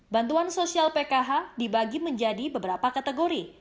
bantuan sosial pkh dibagi menjadi beberapa kategori